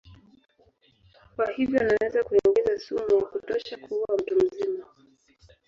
Kwa hivyo wanaweza kuingiza sumu ya kutosha kuua mtu mzima.